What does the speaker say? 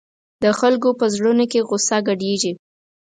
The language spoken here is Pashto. د خلکو په زړونو کې غوسه ګډېږي.